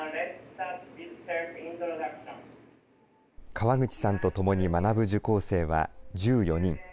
川口さんと共に学ぶ受講生は１４人。